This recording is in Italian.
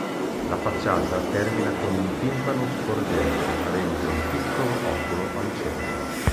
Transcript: La facciata termina con un timpano sporgente avente un piccolo oculo al centro.